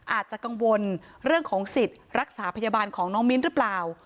อาจจะกังวลเรื่องของสิทธิ์รักษาพยาบาลของน้องมิ้นหรือเปล่า